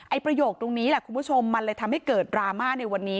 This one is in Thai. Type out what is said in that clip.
ประโยคตรงนี้แหละคุณผู้ชมมันเลยทำให้เกิดดราม่าในวันนี้